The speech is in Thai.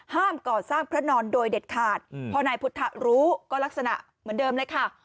ก่อสร้างพระนอนโดยเด็ดขาดพอนายพุทธรู้ก็ลักษณะเหมือนเดิมเลยค่ะ